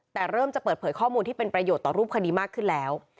แต่เริ่มจะเปิดเผยข้อมูลที่เป็นประโยชน์ต่อรูปคดีมากขึ้นแล้ว